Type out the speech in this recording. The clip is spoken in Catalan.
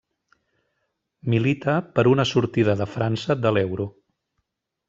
Milita per una sortida de França de l'euro.